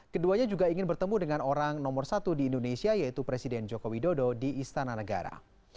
keduanya juga ingin bertemu dengan orang nomor satu di indonesia yaitu presiden joko widodo di istana negara